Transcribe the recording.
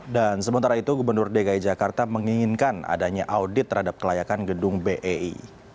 dan sementara itu gubernur dki jakarta menginginkan adanya audit terhadap kelayakan gedung bei